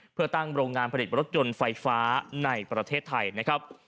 เพื่อตั้งโรงงานผลิตรถยนต์ไฟฟ้าในประเทศไทยนะครับ